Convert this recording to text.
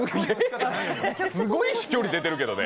すごい飛距離出てるけどね。